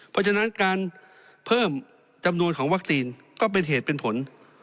เพราะฉะนั้นการเพิ่มจำนวนของวัคซีนก็เป็นเหตุเป็นผล